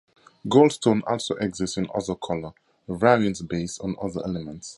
Goldstone also exists in other color variants based on other elements.